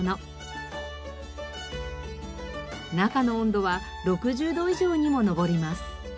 中の温度は６０度以上にも上ります。